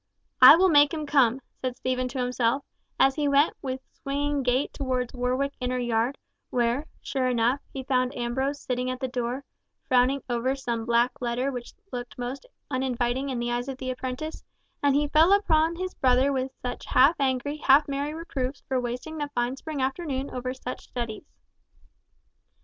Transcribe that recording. "I will make him come," said Stephen to himself, as he went with swinging gait towards Warwick Inner Yard, where, sure enough, he found Ambrose sitting at the door, frowning over some black letter which looked most uninviting in the eyes of the apprentice, and he fell upon his brother with half angry, half merry reproofs for wasting the fine spring afternoon over such studies.